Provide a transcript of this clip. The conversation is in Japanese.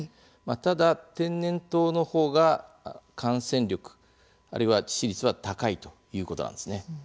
ただ、天然痘のほうが感染力あるいは致死率は高いということなんですね。